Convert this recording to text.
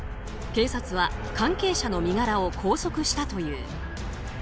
警察は関係者の身柄を拘束したという。